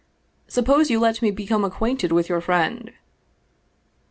" Suppose you let me become acquainted with your friend."